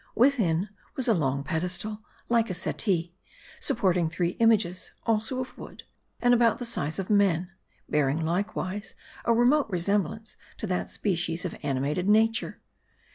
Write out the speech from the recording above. Within, was a long pedestal, like a settee, supporting three images, also of wood, and about the size of men ; bearing, likewise, a remote resemblance to that species of animated nature.